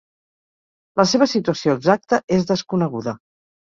La seva situació exacta és desconeguda.